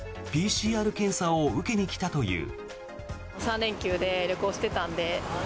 ＰＣＲ検査を受けに来たという。